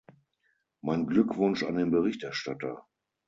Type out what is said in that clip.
Mein Glückwunsch an den Berichterstatter.